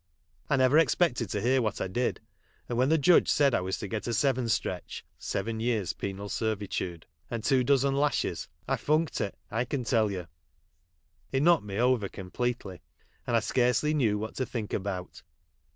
I never expected to hear what I did, and when the judge said I was to get a seven stretch (seven years' penal servitude) and two dozen lashes, I funked it, I can tell you. It knocked me over completely, and I scarcely knew what to think about.